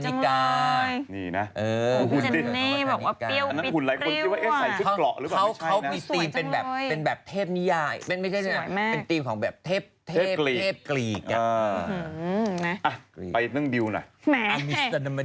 ฉันบอกกี่ครั้งแล้วว่าฉันไปเรียนเต้นมา